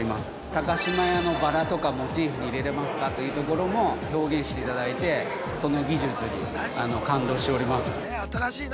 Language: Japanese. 高島屋のバラとかモチーフに入れれますかというところも表現していただいて、その技術に感動しております。